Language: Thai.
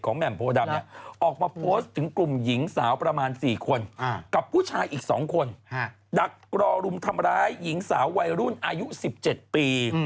แหม่มโพดำเนี่ยออกมาโพสต์ถึงกลุ่มหญิงสาวประมาณ๔คนกับผู้ชายอีก๒คนดักรอรุมทำร้ายหญิงสาววัยรุ่นอายุ๑๗ปี